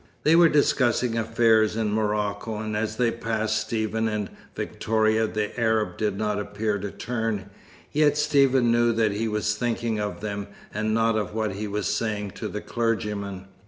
They were discussing affairs in Morocco, and as they passed Stephen and Victoria, the Arab did not appear to turn; yet Stephen knew that he was thinking of them and not of what he was saying to the clergyman.